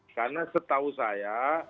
karena setahu saya